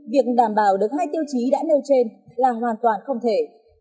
việc đảm bảo được hai tiêu chí đã nêu trên là hoàn toàn không thể